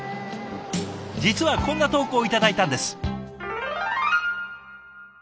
実はこんな投稿頂いたんです。